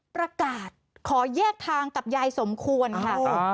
ประกาศขอแยกทางกับยายสมควรค่ะ